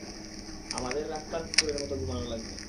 আমাদের রাস্তার কুকুরের মতো ঘুমানো লাগবে।